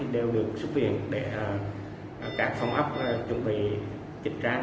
đều được xuất viện để các phòng ấp chuẩn bị trực trang